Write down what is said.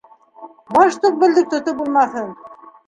- Баштуҡ белдек тотоп булмаҫын.